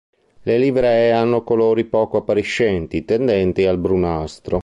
Le livree hanno colori poco appariscenti, tendenti al brunastro.